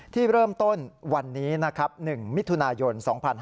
ที่เริ่มต้นวันนี้นะครับ๑มิถุนายน๒๕๕๙